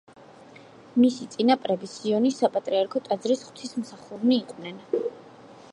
მისი წინაპრები სიონის საპატრიარქო ტაძრის ღვთისმსახურნი იყვნენ.